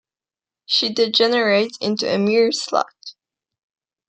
She degenerates into a mere slut!